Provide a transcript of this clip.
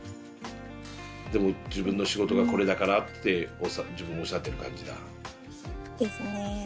でも自分の仕事がこれだからって自分を抑えてる感じだ。ですね。